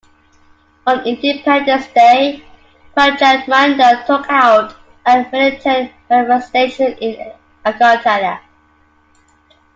On Independence Day Prajamandal took out a militant manifestation in Agartala.